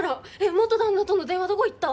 元旦那との電話はどこいった？